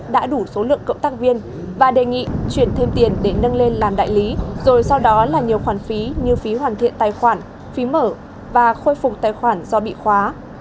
đã đủ số lượng cộng tác viên và đề nghị chuyển thêm tiền để nâng lên làm đại lý rồi sau đó là nhiều khoản phí như phí hoàn thiện tài khoản phí mở và khôi phục tài khoản do bị khóa